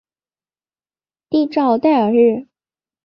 蒂绍代尔日。